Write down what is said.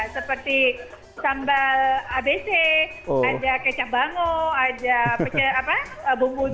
seperti sambal abc ada kecap bango ada bumbu